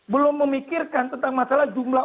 belum memikirkan tentang masalah jumlah